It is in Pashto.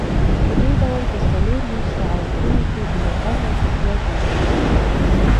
پدې ډول په څلورویشت ساعتونو کې یوه غټه کتله جوړوي.